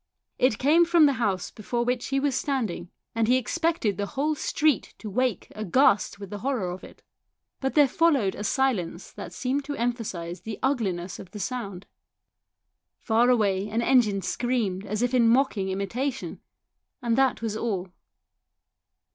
It came from the house before which he was standing, and he expected the whole street to wake aghast with the horror of it. But there followed a silence that seemed to emphasise the ugliness of the sound. Far away an engine screamed as if in mocking imitation ; and that was all.